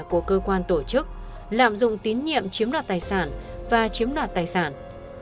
của cơ quan tổ chức lạm dụng tín nhiệm chiếm đoạt tài sản và chiếm đoạt tài sản